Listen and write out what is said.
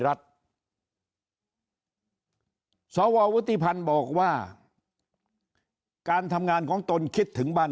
รัฐสววุฒิพันธ์บอกว่าการทำงานของตนคิดถึงบ้าน